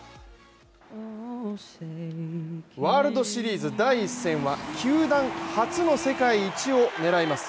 ワールドシリーズ第１戦は球団初の世界一を狙います